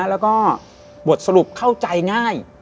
แล้วก็บทสรุปเข้าใจง่าย